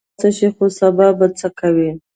نن به خلاص شې خو سبا به څه کوې؟